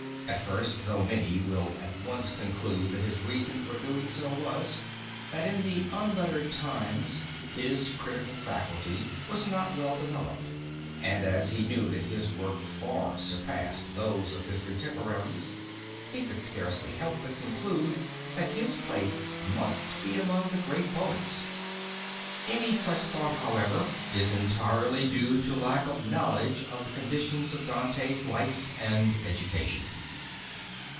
At first thought many will at once conclude that his reason for so doing was, that in the unlettered times his critical faculty was not well developed and as he knew that his work far surpassed that of his contemporaries, he could scarcely help but conclude that his place must be among the great poets. Any such thought however, is entirely due to lack of knowledge of the conditions of Dante's life and education.